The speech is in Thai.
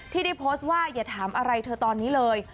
ที่ได้โพสต์ว่าอย่าถามอะไรเธอตอนนี้เลย